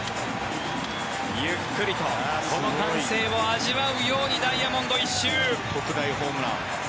ゆっくりとこの歓声を味わうようにダイヤモンドを１周！